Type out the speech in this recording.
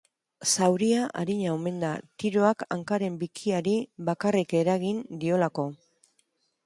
Zauria arina omen da, tiroak hankaren bikiari bakarrik eragin diolako.